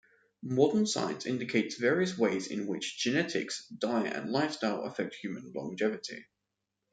Modern science indicates various ways in which genetics, diet, and lifestyle affect human longevity.